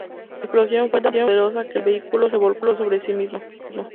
La explosión fue tan poderosa que el vehículo se volcó sobre sí mismo.